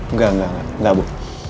enggak enggak enggak bu